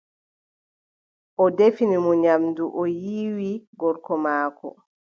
O defini mo nyamndu, o yiiwi gorko maako.